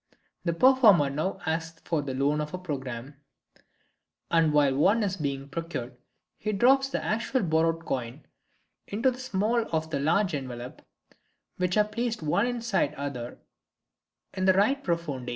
The performer now asks for the loan of a programme, and while one is being procured he drops the actual borrowed coin into the smallest of the three envelopes which are placed one inside the other in the right profonde.